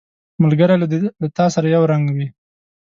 ملګری له تا سره یو رنګ وي